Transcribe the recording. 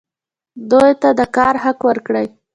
دوی ته د کار حق ورکړئ